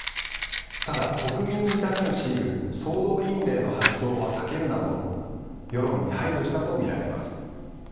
ただ、国民に痛みを強いる総動員令の発動は避けるなど、世論に配慮したと見られます。